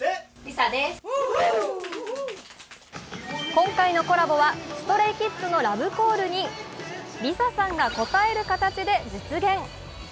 今回のコラボはＳｔｒａｙＫｉｄｓのラブコールにＬｉＳＡさんが応える形で実現。